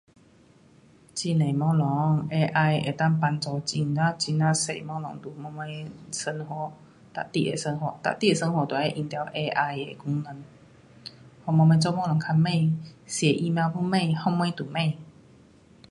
很多东西 AI 能够帮助很呀很呀多东西，都什么生活，每顿的生活，每顿的生活都要用到 AI 的功能，给我们做东西较快，写 email 较快，什么都快。